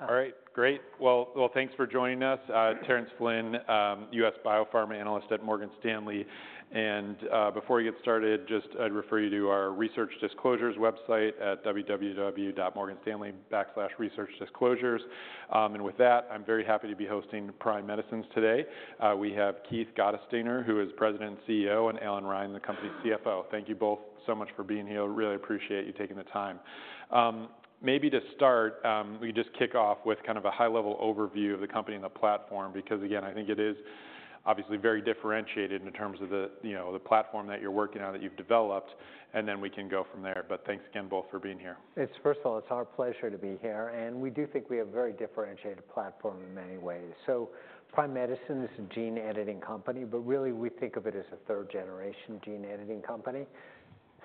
All right, great. Well, thanks for joining us. Terence Flynn, US Biopharma Analyst at Morgan Stanley. And, before we get started, just I'd refer you to our research disclosures website at www.morganstanley.com/researchdisclosures. And with that, I'm very happy to be hosting Prime Medicine today. We have Keith Gottesdiener, who is President and CEO, Allan Reine, the company's CFO. Thank you both so much for being here. Really appreciate you taking the time. Maybe to start, we just kick off with kind of a high-level overview of the company and the platform, because again, I think it is obviously very differentiated in terms of the, you know, the platform that you're working on, that you've developed, and then we can go from there. But thanks again, both for being here. It's our pleasure to be here, and we do think we have a very differentiated platform in many ways. So Prime Medicine is a gene-editing company, but really we think of it as a 3rd-gen gene-editing company.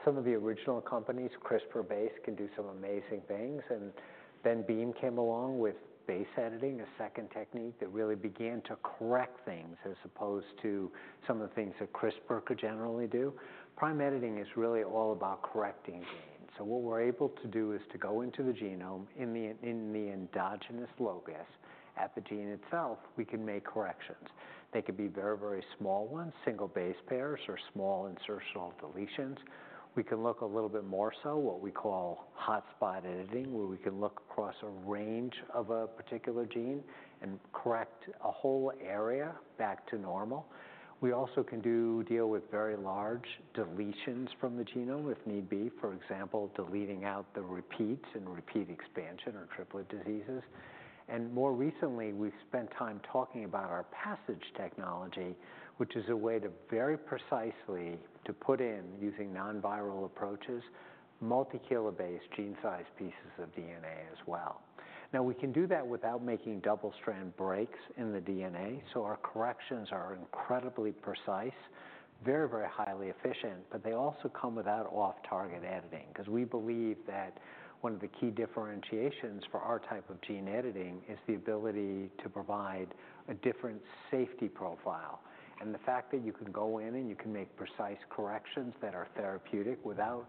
Some of the original companies, CRISPR-based, can do some amazing things, and then Beam came along with base editing, a second technique that really began to correct things as opposed to some of the things that CRISPR could generally Prime Editing is really all about correcting genes. So what we're able to do is to go into the genome in the endogenous locus at the gene itself, we can make corrections. They could be very, very small ones, single base pairs or small insertional deletions. We can look a little bit more, so what we call hotspot editing, where we can look across a range of a particular gene and correct a whole area back to normal. We also can deal with very large deletions from the genome, if need be, for example, deleting out the repeats in repeat expansion or triplet diseases. And more recently, we've spent time talking about our PASSIGE technology, which is a way to very precisely to put in, using non-viral approaches, multi-kilobase gene-sized pieces of DNA as well. Now, we can do that without making double-strand breaks in the DNA, so our corrections are incredibly precise, very, very highly efficient, but they also come without off-target editing. Because we believe that one of the key differentiations for our type of gene editing is the ability to provide a different safety profile. The fact that you can go in and you can make precise corrections that are therapeutic without,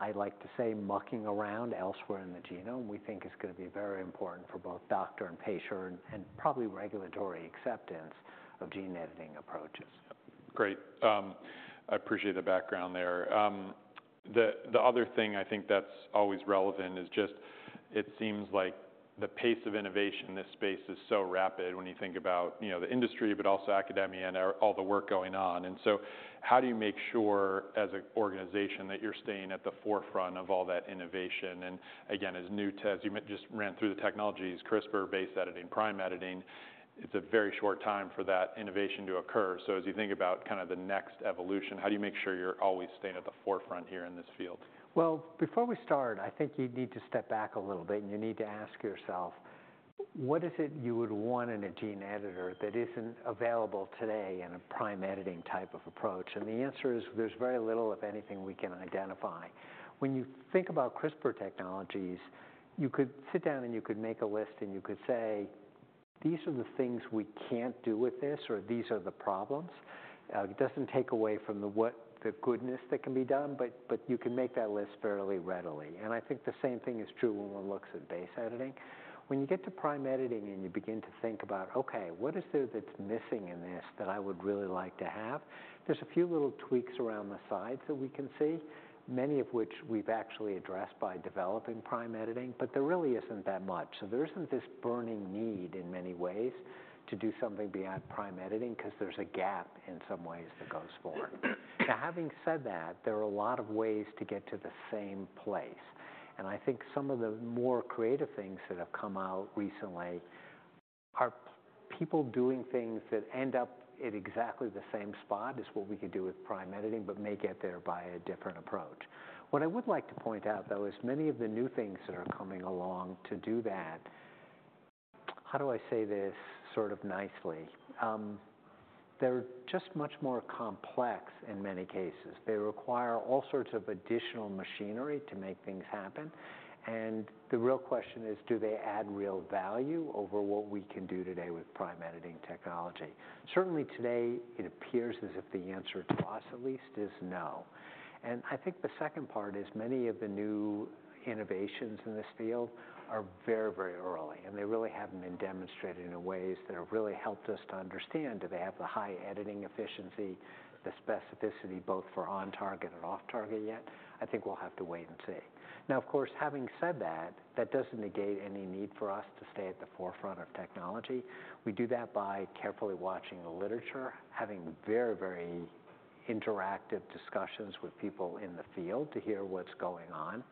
I'd like to say, mucking around elsewhere in the genome, we think is going to be very important for both doctor and patient, and probably regulatory acceptance of gene editing approaches. Great. I appreciate the background there. The other thing I think that's always relevant is just it seems like the pace of innovation in this space is so rapid when you think about, you know, the industry, but also academia and all the work going on. And so how do you make sure, as an organization, that you're staying at the forefront of all that innovation? And again, as new tech... You just ran through the technologies, CRISPR-based Prime Editing, it's a very short time for that innovation to occur. So as you think about kind of the next evolution, how do you make sure you're always staying at the forefront here in this field? Before we start, I think you need to step back a little bit, and you need to ask yourself, what is it you would want in a gene editor that isn't available today in Prime Editing type of approach? And the answer is, there's very little, if anything, we can identify. When you think about CRISPR technologies, you could sit down and you could say, "These are the things we can't do with this," or, "These are the problems." It doesn't take away from the what, the goodness that can be done, but you can make that list fairly readily. I think the same thing is true when one looks at base editing. When you get Prime Editing and you begin to think about, "Okay, what is it that's missing in this that I would really like to have?" There's a few little tweaks around the sides that we can see, many of which we've actually addressed by Prime Editing, but there really isn't that much. So there isn't this burning need in many ways to do something Prime Editing because there's a gap in some ways that goes forward. Now, having said that, there are a lot of ways to get to the same place, and I think some of the more creative things that have come out recently are people doing things that end up in exactly the same spot as what we could do Prime Editing, but may get there by a different approach. What I would like to point out, though, is many of the new things that are coming along to do that... How do I say this sort of nicely? They're just much more complex in many cases. They require all sorts of additional machinery to make things happen, and the real question is: do they add real value over what we can do today with Prime Editing technology? Certainly today, it appears as if the answer to us, at least, is no, and I think the second part is many of the new innovations in this field are very, very early, and they really haven't been demonstrated in a ways that have really helped us to understand, do they have the high editing efficiency, the specificity, both for on-target and off-target yet? I think we'll have to wait and see. Now, of course, having said that, that doesn't negate any need for us to stay at the forefront of technology. We do that by carefully watching the literature, having very, very interactive discussions with people in the field to hear what's going on.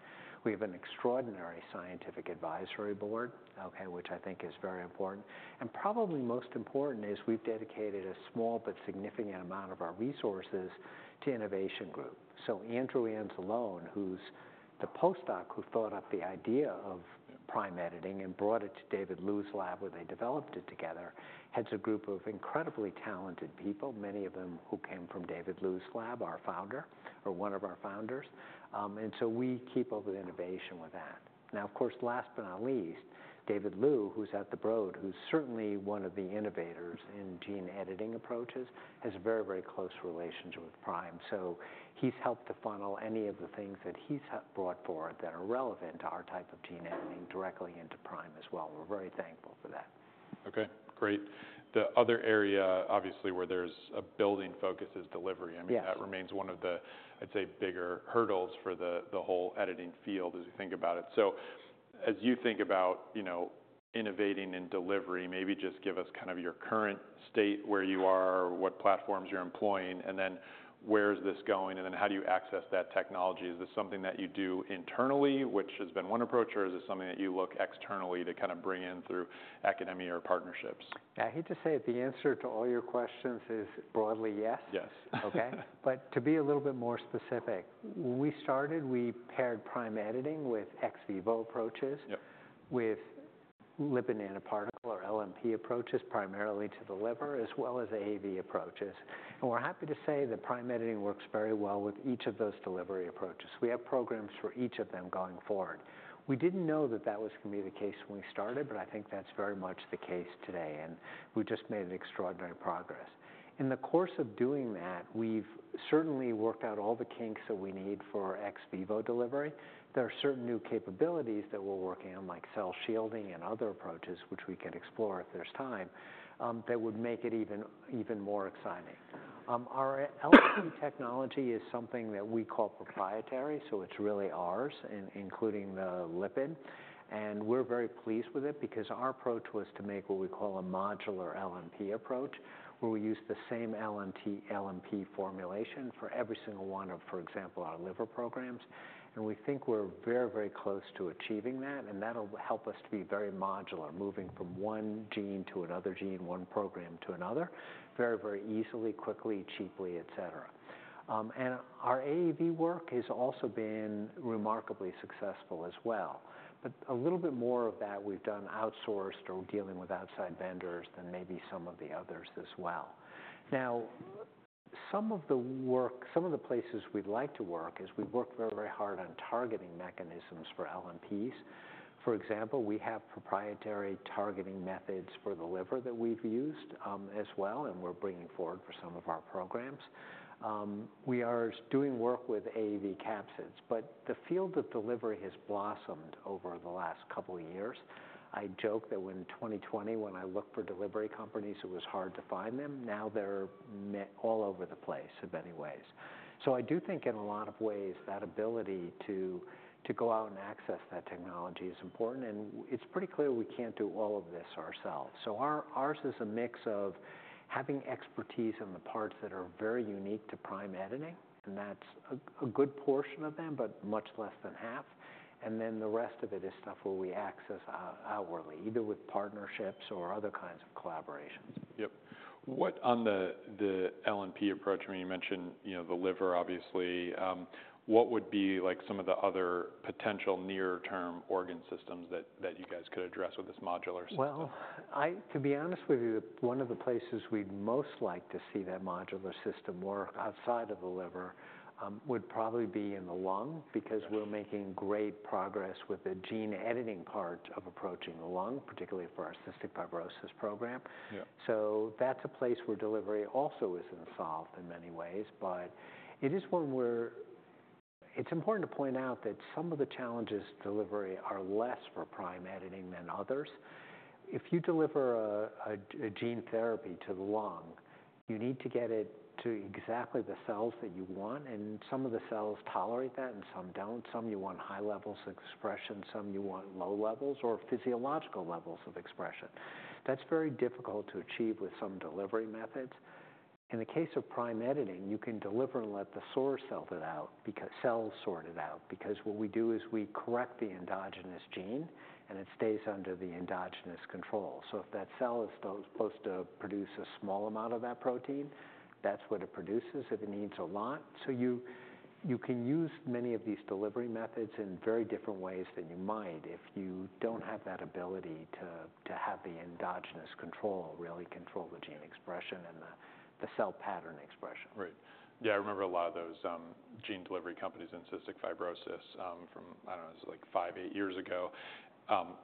We have an extraordinary scientific advisory board, okay, which I think is very important. And probably most important is we've dedicated a small but significant amount of our resources to innovation group. So Andrew Anzalone, who's the postdoc who thought up the idea of Prime Editing and brought it to David Liu's lab, where they developed it together, heads a group of incredibly talented people, many of them who came from David Liu's lab, our founder, or one of our founders. And so we keep up with innovation with that. Now, of course, last but not least, David Liu, who's at the Broad, who's certainly one of the innovators in gene editing approaches, has a very, very close relationship with Prime, so he's helped to funnel any of the things that he's brought forward that are relevant to our type of gene editing directly into Prime as well. We're very thankful for that.... Okay, great. The other area, obviously, where there's a building focus is delivery. Yes. I mean, that remains one of the, I'd say, bigger hurdles for the whole editing field as you think about it. So as you think about, you know, innovating in delivery, maybe just give us kind of your current state, where you are, or what platforms you're employing, and then where is this going, and then how do you access that technology? Is this something that you do internally, which has been one approach, or is it something that you look externally to kind of bring in through academia or partnerships? I hate to say it, the answer to all your questions is broadly yes. Yes. Okay? But to be a little bit more specific, when we started, we paired Prime Editing with ex vivo approaches- Yep... with lipid nanoparticle, or LNP approaches, primarily to the liver, as well as AAV approaches. And we're happy to say that Prime Editing works very well with each of those delivery approaches. We have programs for each of them going forward. We didn't know that that was gonna be the case when we started, but I think that's very much the case today, and we've just made extraordinary progress. In the course of doing that, we've certainly worked out all the kinks that we need for our ex vivo delivery. There are certain new capabilities that we're working on, like cell shielding and other approaches, which we can explore if there's time, that would make it even more exciting. Our LNP technology is something that we call proprietary, so it's really ours, including the lipid. We're very pleased with it because our approach was to make what we call a modular LNP approach, where we use the same LNP formulation for every single one of, for example, our liver programs. We think we're very, very close to achieving that, and that'll help us to be very modular, moving from one gene to another gene, one program to another, very, very easily, quickly, cheaply, et cetera. And our AAV work has also been remarkably successful as well, but a little bit more of that we've done outsourced or dealing with outside vendors than maybe some of the others as well. Now, some of the places we'd like to work is we've worked very, very hard on targeting mechanisms for LNPs. For example, we have proprietary targeting methods for the liver that we've used as well, and we're bringing forward for some of our programs. We are doing work with AAV capsids, but the field of delivery has blossomed over the last couple of years. I joke that in 2020, when I looked for delivery companies, it was hard to find them. Now they're all over the place, in many ways. So I do think in a lot of ways, that ability to go out and access that technology is important, and it's pretty clear we can't do all of this ourselves. So ours is a mix of having expertise in the parts that are very unique to Prime Editing, and that's a good portion of them, but much less than half, and then the rest of it is stuff where we access outwardly, either with partnerships or other kinds of collaborations. Yep. What about the LNP approach, I mean, you mentioned, you know, the liver, obviously. What would be like some of the other potential near-term organ systems that you guys could address with this modular system? To be honest with you, one of the places we'd most like to see that modular system work outside of the liver would probably be in the lung, because we're making great progress with the gene editing part of approaching the lung, particularly for our cystic fibrosis program. Yeah. So that's a place where delivery also isn't solved in many ways, but it is one where... It's important to point out that some of the challenges to delivery are less for Prime Editing than others. If you deliver a gene therapy to the lung, you need to get it to exactly the cells that you want, and some of the cells tolerate that, and some don't. Some, you want high levels of expression, some you want low levels or physiological levels of expression. That's very difficult to achieve with some delivery methods. In the case of Prime Editing, you can deliver and let the cells sort it out, because what we do is we correct the endogenous gene, and it stays under the endogenous control. So if that cell is supposed to produce a small amount of that protein, that's what it produces, if it needs a lot. So you can use many of these delivery methods in very different ways than you might if you don't have that ability to have the endogenous control, really control the gene expression and the cell pattern expression. Right. Yeah, I remember a lot of those, gene delivery companies in cystic fibrosis, from, I don't know, it's like five, eight years ago.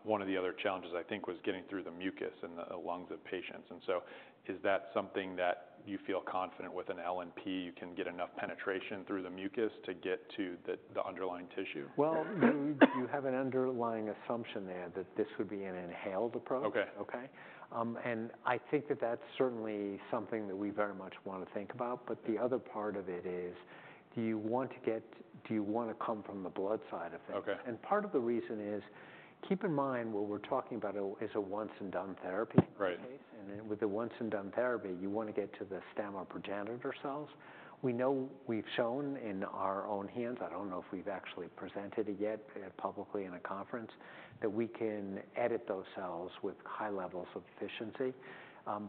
One of the other challenges, I think, was getting through the mucus in the lungs of patients, and so is that something that you feel confident with an LNP, you can get enough penetration through the mucus to get to the underlying tissue? You have an underlying assumption there that this would be an inhaled approach. Okay. Okay? And I think that that's certainly something that we very much want to think about, but the other part of it is, do you want to come from the blood side of it? Okay. Part of the reason is, keep in mind, what we're talking about is a once-and-done therapy. Right... case, and then with the once-and-done therapy, you want to get to the stem or progenitor cells. We know we've shown in our own hands, I don't know if we've actually presented it yet publicly in a conference, that we can edit those cells with high levels of efficiency,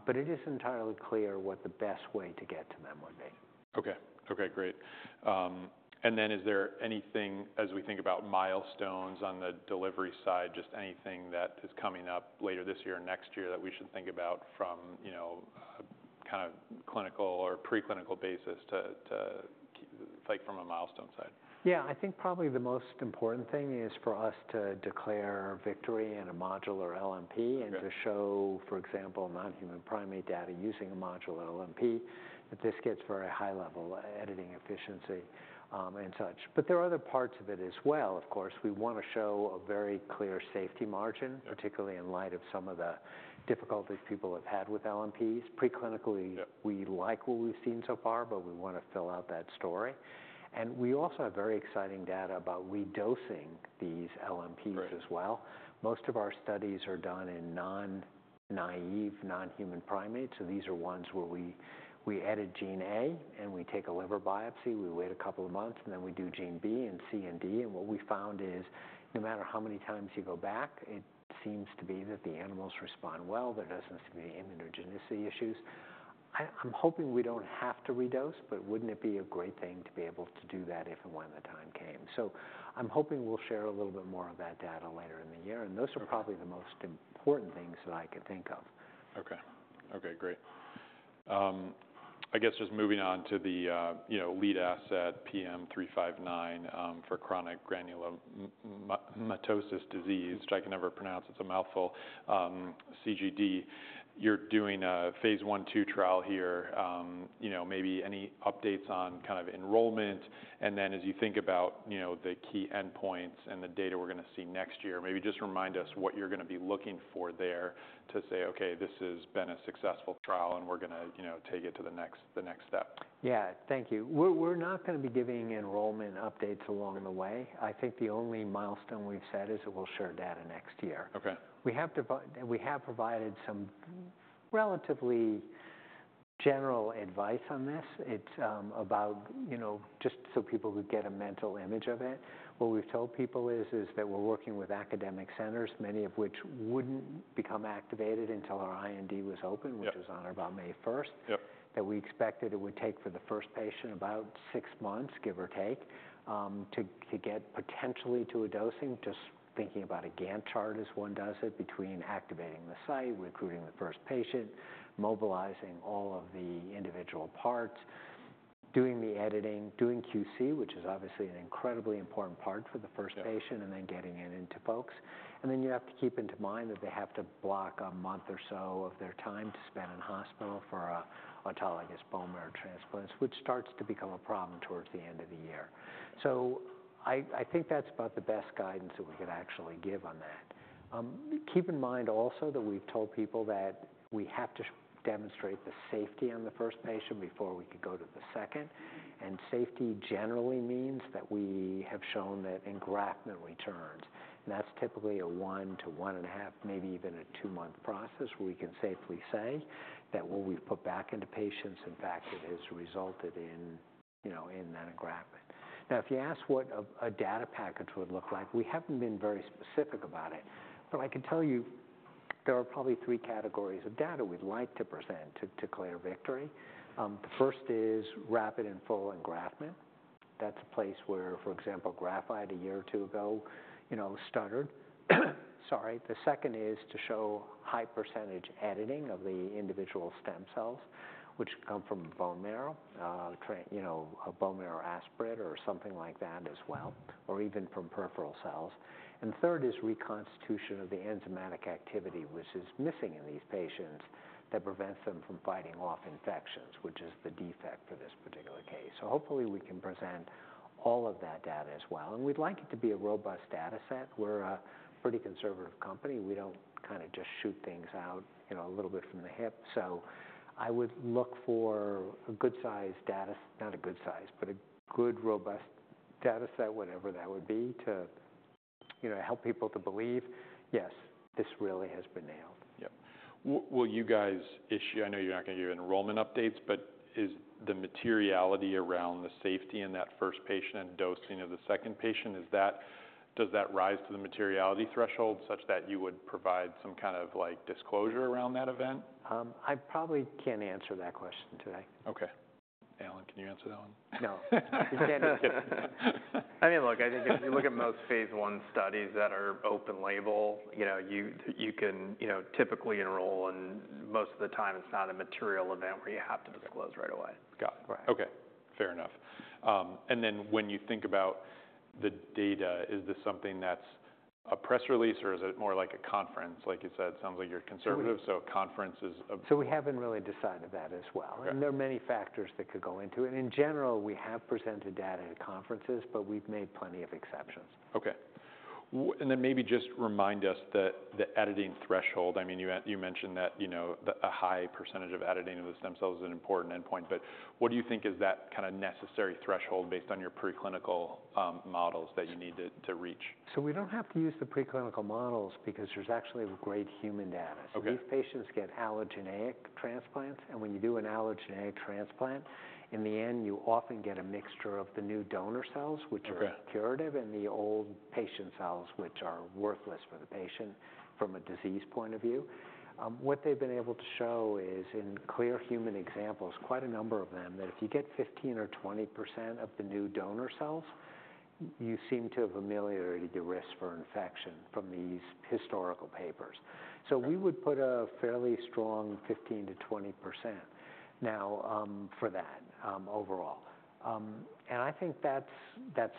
but it is entirely clear what the best way to get to them would be. Okay. Okay, great. And then is there anything, as we think about milestones on the delivery side, just anything that is coming up later this year or next year that we should think about from, you know, kind of clinical or preclinical basis to like from a milestone side? Yeah, I think probably the most important thing is for us to declare victory in a modular LNP- Okay and to show, for example, non-human primate data using a modular LNP, that this gets very high-level editing efficiency, and such. But there are other parts of it as well, of course. We want to show a very clear safety margin- Yeah particularly in light of some of the difficulties people have had with LNPs. Preclinically- Yep... we like what we've seen so far, but we want to fill out that story. And we also have very exciting data about redosing these LNPs as well. Right. Most of our studies are done in non-naive, non-human primates. So these are ones where we edit gene A, and we take a liver biopsy. We wait a couple of months, and then we do gene B and C and D, and what we found is, no matter how many times you go back, it seems to be that the animals respond well. There doesn't seem to be immunogenicity issues. I'm hoping we don't have to redose, but wouldn't it be a great thing to be able to do that if and when the time came? So I'm hoping we'll share a little bit more of that data later in the year, and those- Okay... are probably the most important things that I could think of. Okay. Okay, great. I guess just moving on to the, you know, lead asset, PM359, for chronic granulomatous disease, which I can never pronounce, it's a mouthful, CGD. You're doing a phase I, II trial here. You know, maybe any updates on kind of enrollment, and then as you think about, you know, the key endpoints and the data we're gonna see next year, maybe just remind us what you're gonna be looking for there to say, "Okay, this has been a successful trial, and we're gonna, you know, take it to the next, the next step. Yeah. Thank you. We're not gonna be giving enrollment updates along the way. I think the only milestone we've said is that we'll share data next year. Okay. We have provided some relatively general advice on this. It's about, you know, just so people would get a mental image of it. What we've told people is that we're working with academic centers, many of which wouldn't become activated until our IND was open. Yep - which was on or about May 1st. Yep. That we expected it would take for the first patient about six months, give or take, to get potentially to a dosing. Just thinking about a Gantt chart as one does it, between activating the site, recruiting the first patient, mobilizing all of the individual parts, doing the editing, doing QC, which is obviously an incredibly important part for the first patient- Yeah... and then getting it into folks. Then you have to keep in mind that they have to block a month or so of their time to spend in hospital for an autologous bone marrow transplant, which starts to become a problem towards the end of the year. So I think that's about the best guidance that we could actually give on that. Keep in mind also that we've told people that we have to demonstrate the safety on the first patient before we could go to the second, and safety generally means that we have shown that engraftment returns. That's typically a one to one and a half, maybe even a two-month process, where we can safely say that what we've put back into patients in fact has resulted in, you know, in an engraftment. Now, if you ask what a data package would look like, we haven't been very specific about it. But I can tell you, there are probably three categories of data we'd like to present to declare victory. The first is rapid and full engraftment. That's a place where, for example, Graphite, a year or two ago, you know, stuttered. Sorry. The second is to show high percentage editing of the individual stem cells, which come from bone marrow, a bone marrow aspirate or something like that as well, or even from peripheral cells. And third is reconstitution of the enzymatic activity, which is missing in these patients, that prevents them from fighting off infections, which is the defect for this particular case. So hopefully, we can present all of that data as well. And we'd like it to be a robust data set. We're a pretty conservative company. We don't kinda just shoot things out, you know, a little bit from the hip. So I would look for a good-sized data. Not a good size, but a good, robust data set, whatever that would be, to, you know, help people to believe, yes, this really has been nailed. Yep. Will you guys issue? I know you're not gonna give enrollment updates, but is the materiality around the safety in that first patient and dosing of the second patient, is that? Does that rise to the materiality threshold, such that you would provide some kind of, like, disclosure around that event? I probably can't answer that question today. Okay. Allan, can you answer that one? No. I mean, look, I think if you look at most phase I studies that are open label, you know, you can, you know, typically enroll, and most of the time, it's not a material event where you have to disclose right away. Got it. Right. Okay. Fair enough. And then when you think about the data, is this something that's a press release, or is it more like a conference? Like you said, it sounds like you're conservative- We- - so a conference is a- We haven't really decided that as well. Okay. There are many factors that could go into it. In general, we have presented data at conferences, but we've made plenty of exceptions. Okay. And then maybe just remind us the editing threshold. I mean, you mentioned that, you know, a high percentage of editing of the stem cells is an important endpoint, but what do you think is that kind of necessary threshold based on your preclinical models that you need to reach? So we don't have to use the preclinical models because there's actually a great human data. Okay. These patients get allogeneic transplants, and when you do an allogeneic transplant, in the end, you often get a mixture of the new donor cells. Okay... which are curative, and the old patient cells, which are worthless for the patient from a disease point of view. What they've been able to show is, in clear human examples, quite a number of them, that if you get 15% or 20% of the new donor cells, you seem to have ameliorated the risk for infection from these historical papers. So we would put a fairly strong 15%-20% now, for that, overall. And I think that's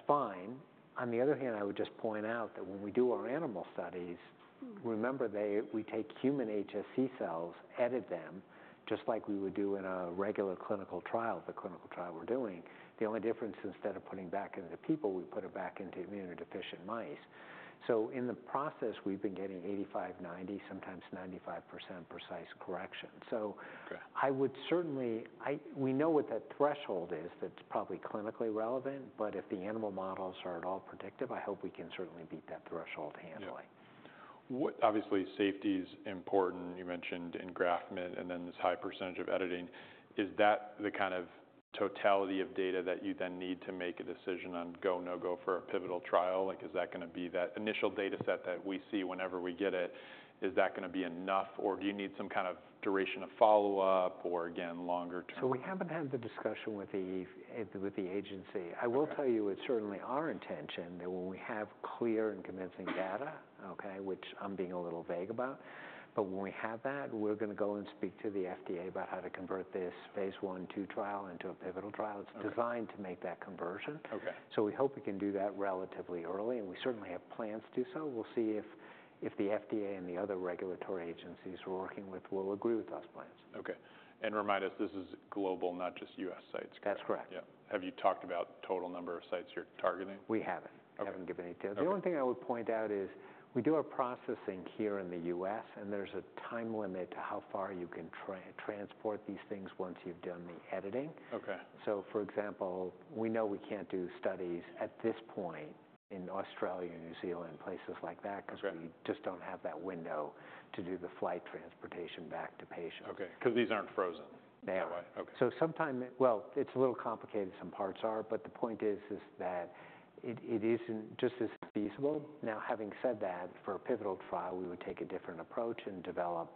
fine. On the other hand, I would just point out that when we do our animal studies, remember we take human HSC cells, edit them, just like we would do in a regular clinical trial, the clinical trial we're doing. The only difference, instead of putting back into people, we put it back into immunodeficient mice. So in the process, we've been getting 85%, 90%, sometimes 95% precise correction. Okay. I would certainly. We know what that threshold is. That's probably clinically relevant, but if the animal models are at all predictive, I hope we can certainly beat that threshold handily. Yeah. What, obviously, safety is important. You mentioned engraftment and then this high percentage of editing. Is that the kind of totality of data that you then need to make a decision on go, no-go for a pivotal trial? Like, is that gonna be that initial data set that we see whenever we get it, is that gonna be enough, or do you need some kind of duration of follow-up or, again, longer term? So we haven't had the discussion with the agency. Okay. I will tell you, it's certainly our intention that when we have clear and convincing data, okay? Which I'm being a little vague about, but when we have that, we're gonna go and speak to the FDA about how to convert this phase I and II trial into a pivotal trial. Okay. It's designed to make that conversion. Okay. So we hope we can do that relatively early, and we certainly have plans to do so. We'll see if the FDA and the other regulatory agencies we're working with will agree with those plans. Okay. And remind us, this is global, not just U.S. sites. That's correct. Yeah. Have you talked about total number of sites you're targeting? We haven't. Okay. We haven't given any details. Okay. The only thing I would point out is we do our processing here in the U.S., and there's a time limit to how far you can transport these things once you've done the editing. Okay. So for example, we know we can't do studies at this point in Australia, New Zealand, places like that- Okay... 'cause we just don't have that window to do the flight transportation back to patients. Okay, 'cause these aren't frozen? They are. Okay. It's a little complicated, some parts are, but the point is that it isn't just as feasible. Now, having said that, for a pivotal trial, we would take a different approach and develop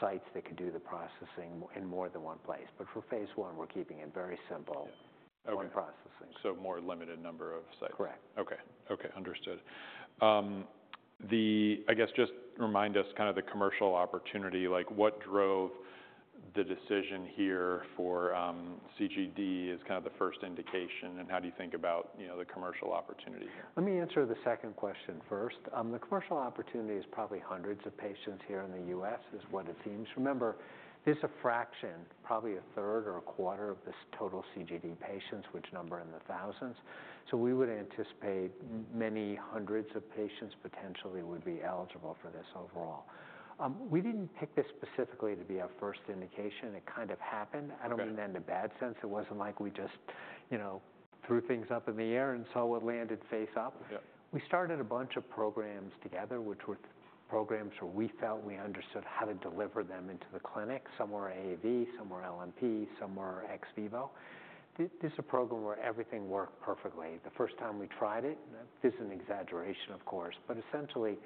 sites that could do the processing in more than one place. But for phase I, we're keeping it very simple. Yeah. Okay. One processing. More limited number of sites? Correct. Okay. Okay, understood. I guess just remind us kind of the commercial opportunity, like, what drove the decision here for CGD as kind of the first indication, and how do you think about, you know, the commercial opportunity here? Let me answer the second question first. The commercial opportunity is probably hundreds of patients here in the U.S., is what it seems. Remember, it's a fraction, probably a 1/3 or a 1/4 of this total CGD patients, which number in the thousands. So we would anticipate many hundreds of patients potentially would be eligible for this overall. We didn't pick this specifically to be our first indication. It kind of happened. Okay. I don't mean that in a bad sense. It wasn't like we just, you know, threw things up in the air and saw what landed face up. Yeah. We started a bunch of programs together, which were programs where we felt we understood how to deliver them into the clinic. Some were AAV, some were LNP, some were ex vivo. This is a program where everything worked perfectly. The first time we tried it, this is an exaggeration, of course, but essentially,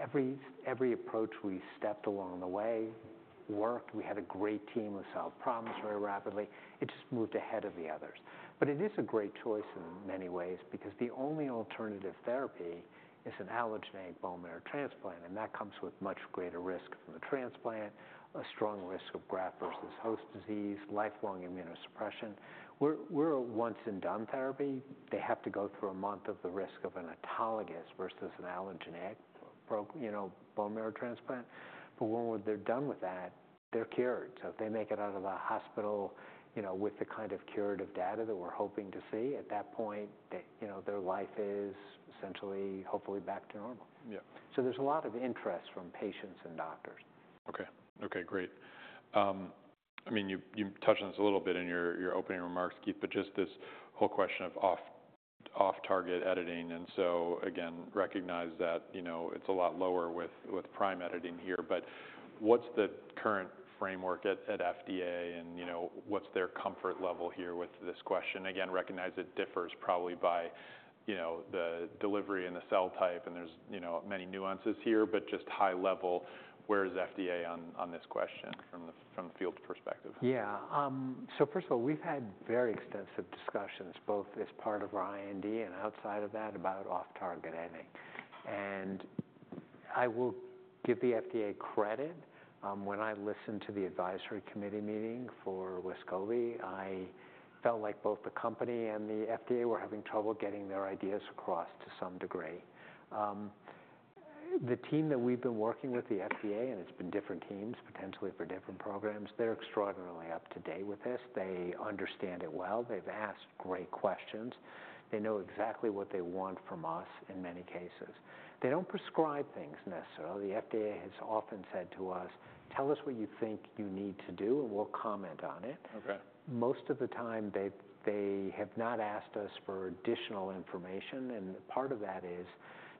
every approach we stepped along the way worked. We had a great team that solved problems very rapidly. It just moved ahead of the others. But it is a great choice in many ways because the only alternative therapy is an allogeneic bone marrow transplant, and that comes with much greater risk from the transplant, a strong risk of graft-versus-host disease, lifelong immunosuppression. We're a once-and-done therapy. They have to go through a month of the risk of an autologous versus an allogeneic, you know, bone marrow transplant. But when they're done with that, they're cured. So if they make it out of the hospital, you know, with the kind of curative data that we're hoping to see, at that point, they, you know, their life is essentially, hopefully back to normal. Yeah. There's a lot of interest from patients and doctors. Okay. Okay, great. I mean, you touched on this a little bit in your opening remarks, Keith, but just this whole question of off-target editing, and so again, recognize that, you know, it's a lot lower with Prime Editing here, but what's the current framework at FDA and, you know, what's their comfort level here with this question? Again, recognize it differs probably by, you know, the delivery and the cell type, and there's, you know, many nuances here, but just high level, where is FDA on this question from the field's perspective? Yeah. So first of all, we've had very extensive discussions, both as part of our IND and outside of that, about off-target editing. And I will give the FDA credit. When I listened to the advisory committee meeting for CASGEVY, I felt like both the company and the FDA were having trouble getting their ideas across to some degree. The team that we've been working with, the FDA, and it's been different teams, potentially for different programs, they're extraordinarily up-to-date with this. They understand it well. They've asked great questions. They know exactly what they want from us, in many cases. They don't prescribe things necessarily. The FDA has often said to us: "Tell us what you think you need to do, and we'll comment on it. Okay. Most of the time, they have not asked us for additional information, and part of that is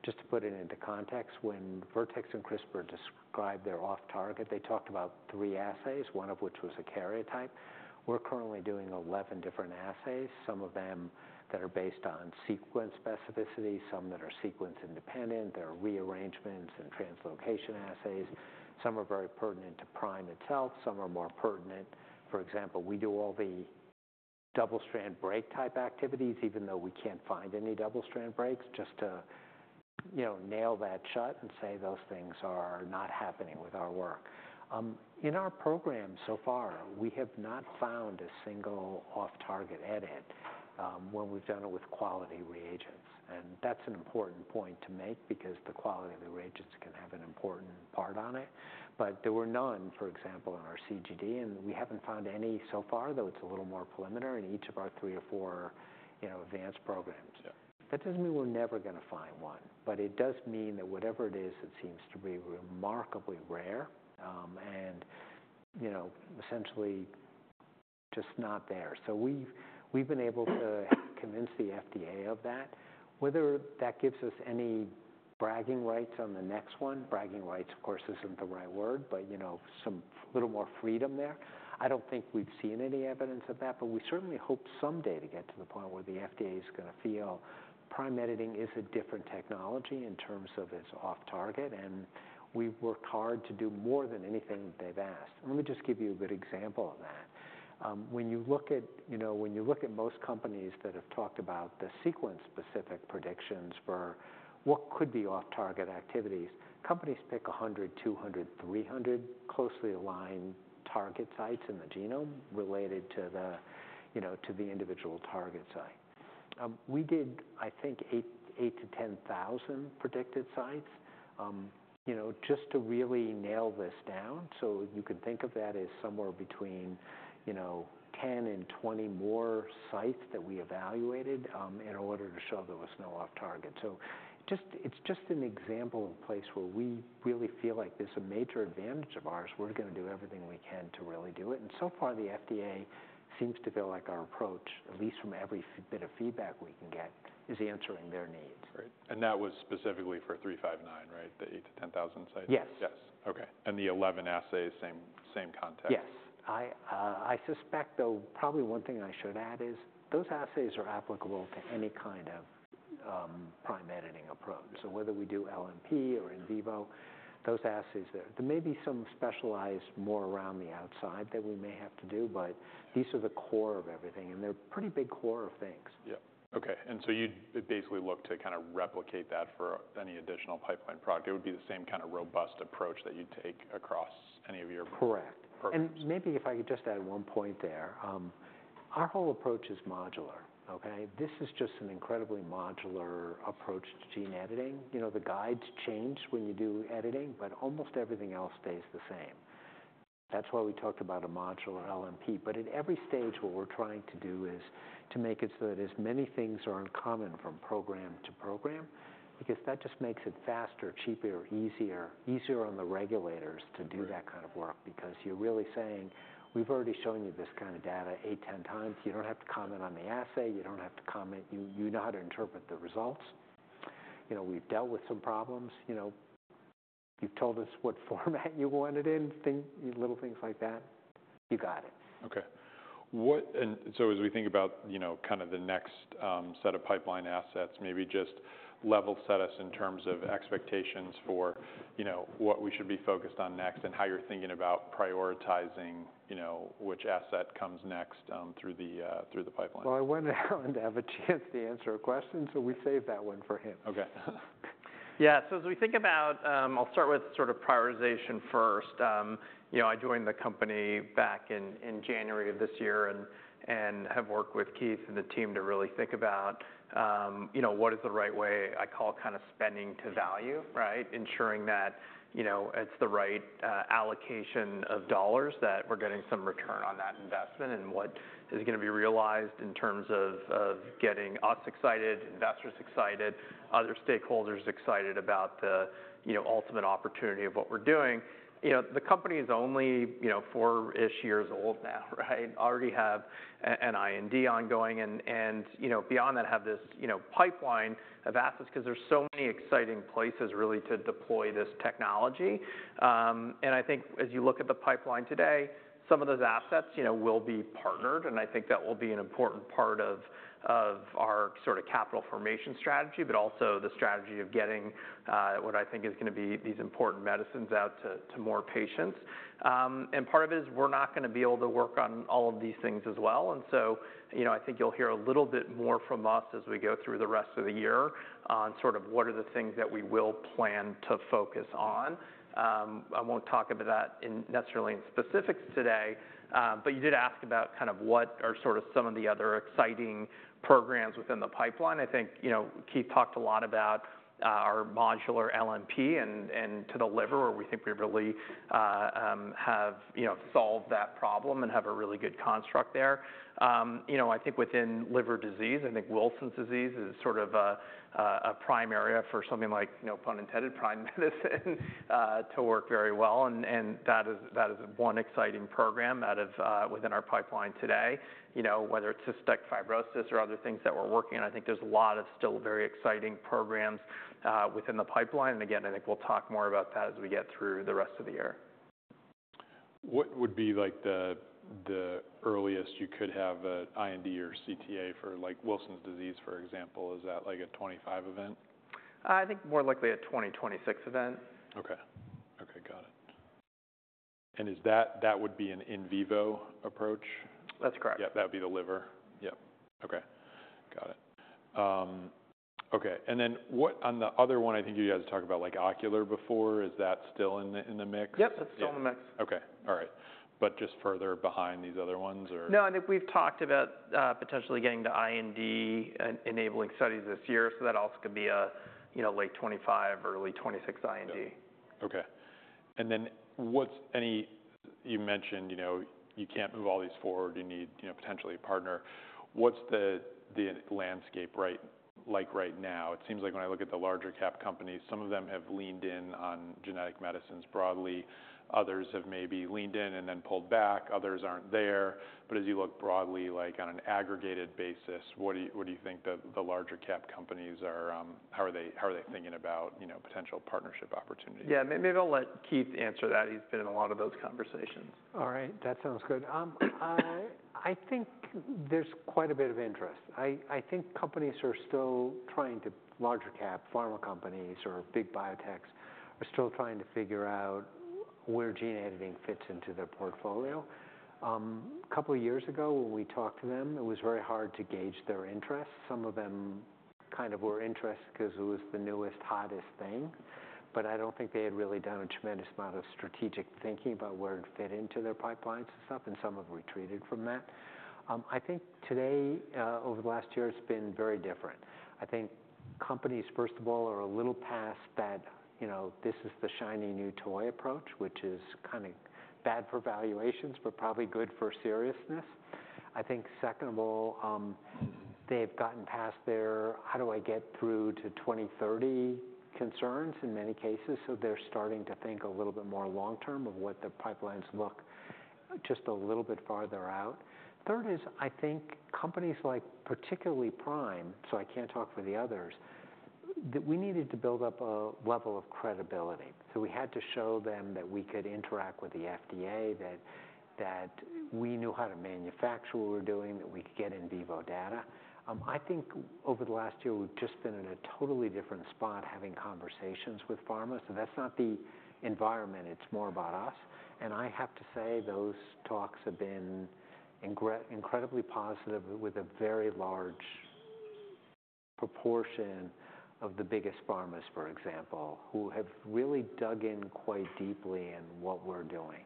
just to put it into context. When Vertex and CRISPR described their off-target, they talked about three assays, one of which was a karyotype. We're currently doing eleven different assays, some of them that are based on sequence specificity, some that are sequence independent. There are rearrangements and translocation assays. Some are very pertinent to prime itself, some are more pertinent. For example, we do all the double-strand break type activities, even though we can't find any double-strand breaks, just to, you know, nail that shut and say those things are not happening with our work. In our program so far, we have not found a single off-target edit, when we've done it with quality reagents, and that's an important point to make because the quality of the reagents can have an important part on it. But there were none, for example, in our CGD, and we haven't found any so far, though it's a little more preliminary in each of our three or four, you know, advanced programs. Yeah. That doesn't mean we're never gonna find one, but it does mean that whatever it is, it seems to be remarkably rare, and, you know, essentially just not there. So we've been able to convince the FDA of that. Whether that gives us any bragging rights on the next one, of course, isn't the right word, but, you know, some little more freedom there. I don't think we've seen any evidence of that, but we certainly hope someday to get to the point where the FDA is gonna feel Prime Editing is a different technology in terms of its off-target, and we've worked hard to do more than anything they've asked. Let me just give you a good example of that. When you look at, you know, most companies that have talked about the sequence-specific predictions for what could be off-target activities, companies pick a hundred, 200, 300 closely aligned target sites in the genome related to the, you know, to the individual target site. We did, I think, 8,000-10,000 predicted sites, you know, just to really nail this down. So you can think of that as somewhere between, you know, 10 and 20 more sites that we evaluated in order to show there was no off-target. So just, it's just an example of a place where we really feel like this is a major advantage of ours. We're gonna do everything we can to really do it, and so far, the FDA seems to feel like our approach, at least from every bit of feedback we can get, is answering their needs. Right. And that was specifically for PM359, right? The 8,000-10,000 sites. Yes. Yes. Okay. And the 11 assays, same, same context? Yes. I suspect, though, probably one thing I should add is those assays are applicable to any kind of Prime Editing approach. So whether we do LNP or in vivo, those assays there. There may be some specialized more around the outside that we may have to do, but these are the core of everything, and they're pretty big core of things. Yeah. Okay. And so you'd basically look to kind of replicate that for any additional pipeline product. It would be the same kind of robust approach that you'd take across any of your- Correct. Programs. Maybe if I could just add one point there, our whole approach is modular, okay? This is just an incredibly modular approach to gene editing. You know, the guides change when you do editing, but almost everything else stays the same. That's why we talked about a modular LNP. But at every stage, what we're trying to do is to make it so that as many things are in common from program to program, because that just makes it faster, cheaper, easier, easier on the regulators to do that kind of work, because you're really saying, "We've already shown you this kind of data eight, ten times. You don't have to comment on the assay. You don't have to comment. You, you know how to interpret the results. You know, we've dealt with some problems. You know, you've told us what format you want it in, these little things like that." You got it. Okay. So as we think about, you know, kind of the next set of pipeline assets, maybe just level set us in terms of expectations for, you know, what we should be focused on next and how you're thinking about prioritizing, you know, which asset comes next through the pipeline? Well, I wanted Allan to have a chance to answer a question, so we saved that one for him. Okay. Yeah. So as we think about, I'll start with sort of prioritization first. You know, I joined the company back in January of this year and have worked with Keith and the team to really think about, you know, what is the right way. I call kind of spending to value, right? Ensuring that, you know, it's the right allocation of dollars, that we're getting some return on that investment, and what is gonna be realized in terms of getting us excited, investors excited, other stakeholders excited about the, you know, ultimate opportunity of what we're doing. You know, the company is only, you know, four-ish years old now, right? Already have a, an IND ongoing and, you know, beyond that, have this, you know, pipeline of assets because there's so many exciting places really to deploy this technology. And I think as you look at the pipeline today, some of those assets, you know, will be partnered, and I think that will be an important part of our sort of capital formation strategy, but also the strategy of getting what I think is gonna be these important medicines out to more patients. And part of it is we're not gonna be able to work on all of these things as well, and so, you know, I think you'll hear a little bit more from us as we go through the rest of the year on sort of what are the things that we will plan to focus on. I won't talk about that necessarily in specifics today, but you did ask about kind of what are sort of some of the other exciting programs within the pipeline. I think, you know, Keith talked a lot about our modular LNP and to the liver, where we think we really have, you know, solved that problem and have a really good construct there. You know, I think within liver disease, I think Wilson's disease is sort of a prime area for something like, no pun intended, Prime Medicine to work very well, and that is one exciting program out of within our pipeline today. You know, whether it's cystic fibrosis or other things that we're working on, I think there's a lot of still very exciting programs within the pipeline. And again, I think we'll talk more about that as we get through the rest of the year. What would be, like, the earliest you could have an IND or CTA for, like, Wilson's disease, for example? Is that like a 2025 event? I think more likely a 2026 event. Okay. Okay, got it.... And is that, that would be an in vivo approach? That's correct. Yeah, that would be the liver. Yep. Okay, got it. Okay, and then, on the other one, I think you guys talked about like ocular before. Is that still in the mix? Yep, it's still in the mix. Okay. All right. But just further behind these other ones, or? No, I think we've talked about potentially getting to IND enabling studies this year, so that also could be a, you know, late 2025 or early 2026 IND. Okay. And then what's... You mentioned, you know, you can't move all these forward. You need, you know, potentially a partner. What's the landscape right now? It seems like when I look at the larger cap companies, some of them have leaned in on genetic medicines broadly, others have maybe leaned in and then pulled back, others aren't there. But as you look broadly, like on an aggregated basis, what do you think the larger cap companies are. How are they thinking about, you know, potential partnership opportunities? Yeah. Maybe I'll let Keith answer that. He's been in a lot of those conversations. All right. That sounds good. I think there's quite a bit of interest. I think companies are still trying to... Large-cap pharma companies or big biotechs are still trying to figure out where gene editing fits into their portfolio. A couple of years ago, when we talked to them, it was very hard to gauge their interest. Some of them kind of were interested 'cause it was the newest, hottest thing, but I don't think they had really done a tremendous amount of strategic thinking about where it fit into their pipelines and stuff, and some have retreated from that. I think today, over the last year, it's been very different. I think companies, first of all, are a little past that, you know, this is the shiny new toy approach, which is kind of bad for valuations, but probably good for seriousness. I think second of all, they've gotten past their how do I get through to 2030 concerns in many cases, so they're starting to think a little bit more long-term of what the pipelines look just a little bit farther out. Third is, I think companies like, particularly Prime, so I can't talk for the others, that we needed to build up a level of credibility. So we had to show them that we could interact with the FDA, that we knew how to manufacture what we were doing, that we could get in vivo data. I think over the last year, we've just been in a totally different spot, having conversations with pharma. So that's not the environment, it's more about us. I have to say, those talks have been incredibly positive, with a very large proportion of the biggest pharmas, for example, who have really dug in quite deeply in what we're doing.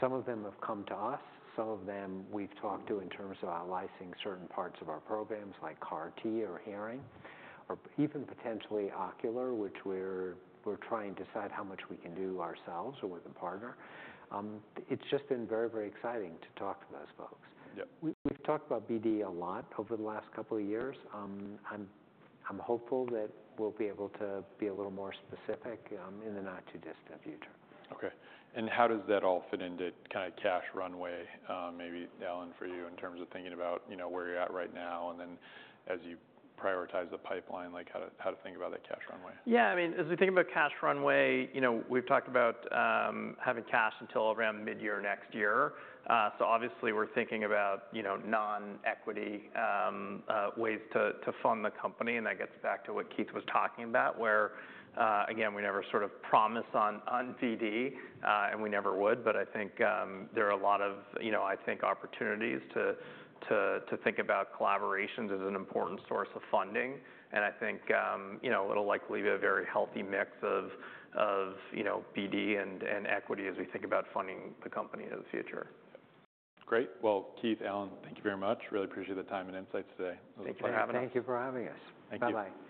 Some of them have come to us, some of them we've talked to in terms of licensing certain parts of our programs, like CAR-T or hearing, or even potentially ocular, which we're trying to decide how much we can do ourselves or with a partner. It's just been very, very exciting to talk to those folks. Yeah. We've talked about BD a lot over the last couple of years. I'm hopeful that we'll be able to be a little more specific in the not-too-distant future. Okay. And how does that all fit into kind of cash runway, maybe, Allan, for you, in terms of thinking about, you know, where you're at right now, and then as you prioritize the pipeline, like how to think about that cash runway? Yeah, I mean, as we think about cash runway, you know, we've talked about having cash until around mid-year next year. So obviously, we're thinking about, you know, non-equity ways to fund the company, and that gets back to what Keith was talking about, where, again, we never sort of promise on DD, and we never would. But I think there are a lot of, you know, I think opportunities to think about collaborations as an important source of funding. And I think, you know, it'll likely be a very healthy mix of, you know, BD and equity as we think about funding the company in the future. Great! Well, Keith, Allan, thank you very much. Really appreciate the time and insights today. Thank you for having us. Thank you for having us. Thank you. Bye-bye.